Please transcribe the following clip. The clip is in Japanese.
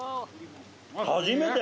初めて。